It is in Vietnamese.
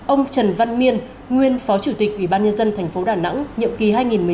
ông trần văn miên nguyên phó chủ tịch ủy ban nhân dân tp đà nẵng nhiệm kỳ hai nghìn một mươi sáu hai nghìn hai mươi một